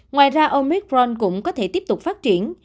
ngoài ra omicron cũng có thể tiếp tục phát triển